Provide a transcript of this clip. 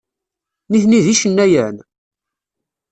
Nitni d icennayen?